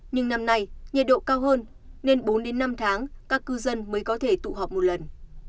nhưng năm nay nhiệt độ cao hơn nên bốn đến năm tháng các cư dân mới có thể tụ họp một lần